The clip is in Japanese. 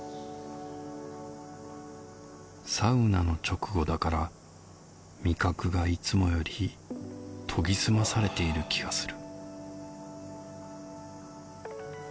サウナの直後だから味覚がいつもより研ぎ澄まされている気がする